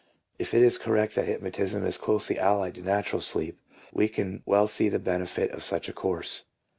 If it is correct that hypnotism is closely allied to natural sleep, we can well see the benefit of such a course.